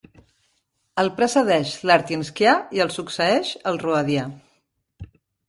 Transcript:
El precedeix l'Artinskià i el succeeix el Roadià.